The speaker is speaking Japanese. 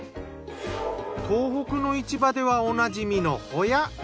東北の市場ではおなじみのホヤ。